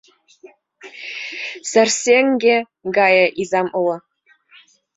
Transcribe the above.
Варсеҥге гае изам уло